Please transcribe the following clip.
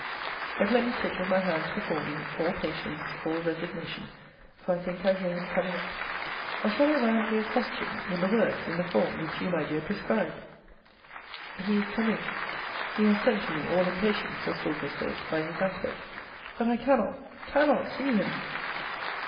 But let me sit with my hands before me, all patience, all resignation; for I think I hear him coming up. Or shall I roundly accost him, in the words, in the form, which you, my dear, prescribed? He is come in. He has sent to me, all impatience, as Dorcas says, by his aspect. But I cannot, cannot see him!